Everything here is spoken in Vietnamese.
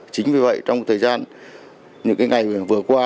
chính vì vậy trong thời gian những ngày vừa qua